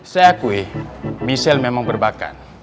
saya akui michelle memang berbakan